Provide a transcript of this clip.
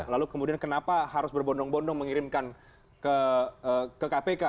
lalu kemudian kenapa harus berbondong bondong mengirimkan ke kpk